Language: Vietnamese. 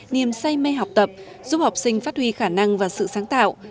niềm say mê học tập giúp học sinh phát huy khả năng và sự sáng tạo